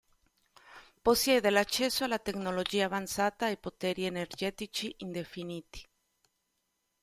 Possiede l'accesso alla tecnologia avanzata e poteri energetici indefiniti.